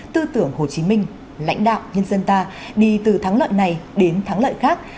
tư tưởng hồ chí minh lãnh đạo nhân dân ta đi từ thắng lợi này đến thắng lợi khác